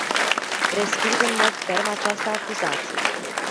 Resping în mod ferm această acuzație.